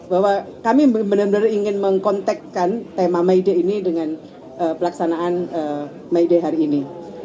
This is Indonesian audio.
bahwa kami benar benar ingin mengkontekkan tema maideh ini dengan pelaksanaan maideh hari ini